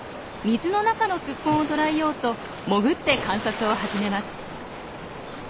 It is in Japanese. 水の中のスッポンをとらえようと潜って観察を始めます。